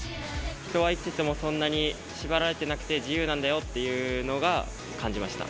人は生きててもそんなに縛られてなくて、自由なんだよっていうのが感じました。